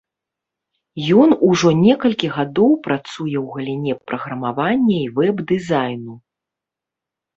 Ён ужо некалькі гадоў працуе ў галіне праграмавання і вэб-дызайну.